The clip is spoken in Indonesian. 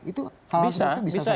itu hal seperti itu bisa saja